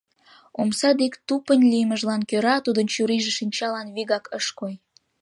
Омса дек тупынь лиймыжлан кӧра тудын чурийже шинчалан вигак ыш кой.